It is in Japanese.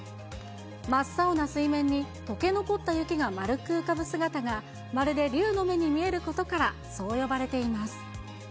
真っ青な水面にとけ残った雪が丸く浮かぶ姿が、まるで龍の目に見えることから、そう呼ばれています。